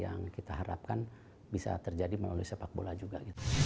yang kita harapkan bisa terjadi melalui sepak bola juga